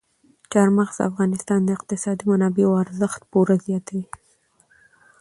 چار مغز د افغانستان د اقتصادي منابعو ارزښت پوره زیاتوي.